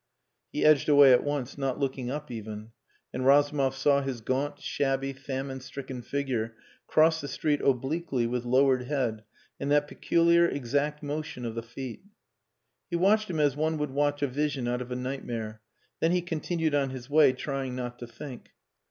He edged away at once, not looking up even; and Razumov saw his gaunt, shabby, famine stricken figure cross the street obliquely with lowered head and that peculiar exact motion of the feet. He watched him as one would watch a vision out of a nightmare, then he continued on his way, trying not to think.